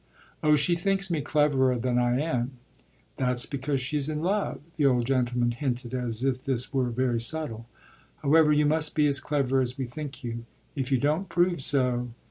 "Oh she thinks me cleverer than I am." "That's because she's in love," the old gentleman hinted as if this were very subtle. "However, you must be as clever as we think you. If you don't prove so